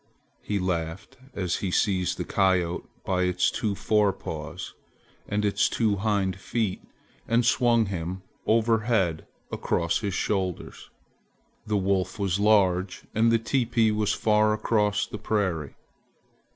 he laughed, as he seized the coyote by its two fore paws and its two hind feet and swung him over head across his shoulders. The wolf was large and the teepee was far across the prairie.